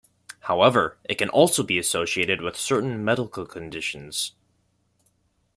However, it can also be associated with certain medical conditions.